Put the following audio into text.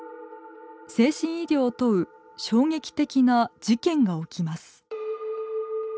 精神医療を問う衝撃的な事件が起きます。